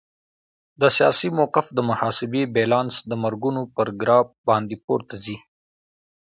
د سیاسي موقف د محاسبې بیلانس د مرګونو پر ګراف باندې پورته ځي.